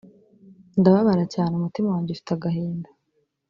ndababara cyane umutima wange ufite agahinda